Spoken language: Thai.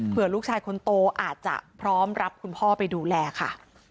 เพื่อลูกชายคนโตอาจจะพร้อมรับคุณพ่อไปดูแลค่ะ